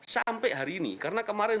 sampai hari ini karena kemarin